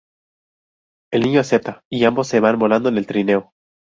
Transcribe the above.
El niño acepta y ambos se van volando en el trineo.